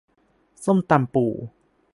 ส้มตำปู